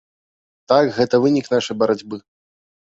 Так, гэта вынік нашай барацьбы.